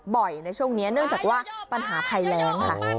ในช่วงนี้เนื่องจากว่าปัญหาภัยแรงค่ะ